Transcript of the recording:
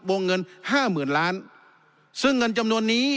บวงเงิน๕๐๐๐๐ล้านซึ่งเงินจำนวนนี้